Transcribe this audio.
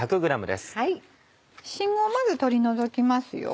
芯をまず取り除きますよ。